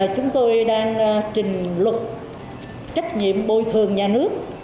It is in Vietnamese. chúng tôi đang trình luật trách nhiệm bồi thường nhà nước